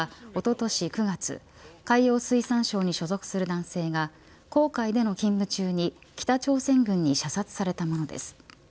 この事件は、おととし９月海洋水産省に所属する男性が黄海での勤務中に北朝鮮軍に射殺されたものです。